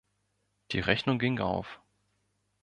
Die Rechnung ging auf.